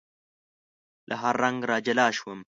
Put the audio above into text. له هر رنګ را جلا شوم